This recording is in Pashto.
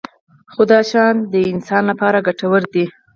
خو دا شیان د انسان لپاره ګټور دي.